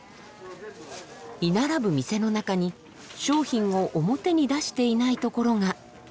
居並ぶ店の中に商品を表に出していないところが。